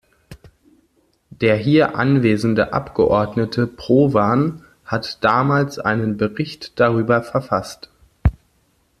Der hier anwesende Abgeordnete Provan hat damals einen Bericht darüber verfasst.